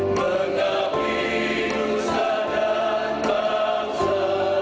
mengabdi nusa dan bangsa